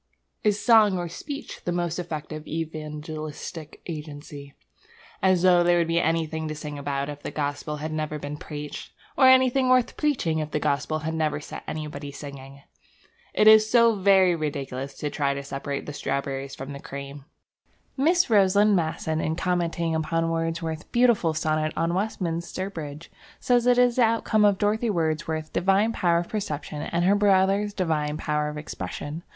Is song or speech the most effective evangelistic agency? As though there would be anything to sing about if the gospel had never been preached! Or anything worth preaching if the gospel had never set anybody singing! It is so very ridiculous to try to separate the strawberries from the cream. Miss Rosaline Masson, in commenting upon Wordsworth's beautiful sonnet on Westminster Bridge, says that it is the outcome of Dorothy Wordsworth's divine power of perception and her brother's divine power of expression.